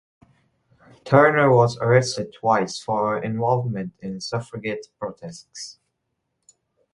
Turner was arrested twice for her involvement in suffragette protests.